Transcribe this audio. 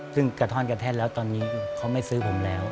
ซึ่งกระท่อนกระแท่นแล้วตอนนี้เขาไม่ซื้อผมแล้ว